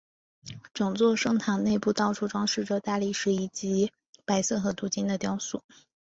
整座圣堂内部到处装饰着大理石以及白色和镀金的雕塑。